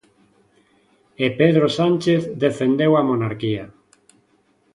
E Pedro Sánchez defendeu a monarquía.